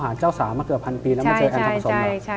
หาเจ้าสาวมาเกือบ๑๐๐๐ปีแล้วไม่เจอแอนดัมผสมละ